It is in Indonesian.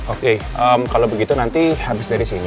oke kalau begitu nanti habis dari sini